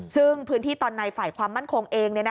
ซึ่งพื้นที่ตอนในฝ่ายความมั่นคงเอง